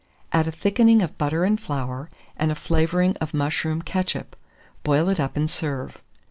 Add a thickening of butter and flour, and a flavouring of mushroom ketchup; boil it up and serve.